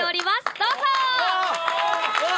どうぞ！